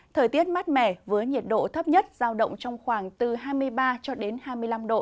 thời tiết mát mẻ với nhiệt độ thấp nhất giao động trong khoảng từ hai mươi ba cho đến hai mươi năm độ